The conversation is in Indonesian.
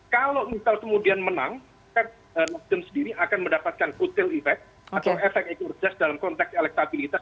kalau misal kemudian menang nasdem sendiri akan mendapatkan utile effect atau effect e courtes dalam konteks elektabilitas